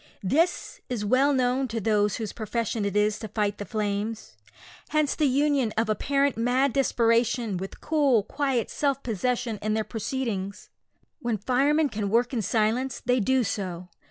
This is well known to those whose profession it is to fight the flames. Hence the union of apparent mad desperation, with cool, quiet self possession in their proceedings. When firemen can work in silence they do so.